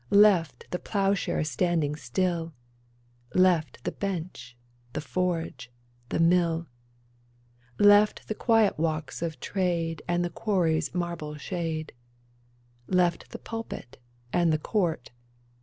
Left the plowshare standing still ; Lefc the bench, the forge, the mill ; Left the quiet walks of trade And the quarry's marble shade ; Left the pulpit and the court.